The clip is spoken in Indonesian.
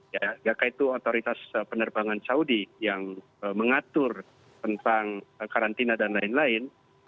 ya apakah itu otoritas penerbangan saudi yang mengatur tentang karantina dan lain lain